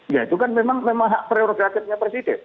ya itu kan memang hak prerogatifnya presiden